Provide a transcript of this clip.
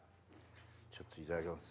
ちょっといただきます。